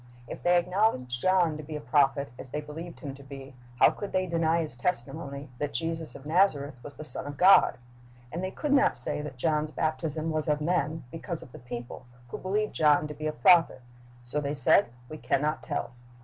If they acknowledged John to be a prophet, as they believed him to be, how could they deny his testimony that Jesus of Nazareth was the Son of God? And they could not say that John's baptism was of men, because of the people, who believed John to be a prophet. So they said, "We can not tell."